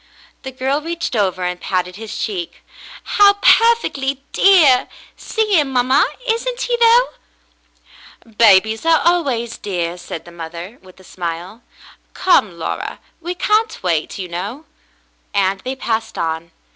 The girl reached over and patted his cheek. "How perfectly dear. See him, mamma. Isn't he, though ?" "Babies are always dear," said the mother, with a smile. "Come, Laura, we can't wait, you know," and they passed on.